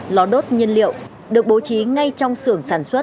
ló đốt nhân liệu được bố trí ngay trong sưởng sản xuất